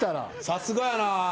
さすがやな。